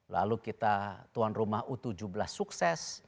lalu kita tuan rumah u tujuh belas sukses